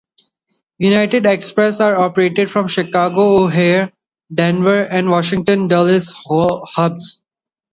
United Express are operated from the Chicago-O'Hare, Denver, and Washington-Dulles hubs.